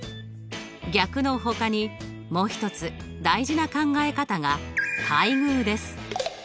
逆のほかにもう一つ大事な考え方が対偶です。